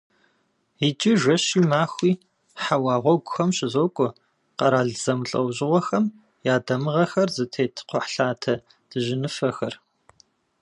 Иджы жэщи махуи хьэуа гъуэгухэм щызокӏуэ къэрал зэмылӏэужьыгъуэхэм я дамыгъэхэр зытет кхъухьлъатэ дыжьыныфэхэр.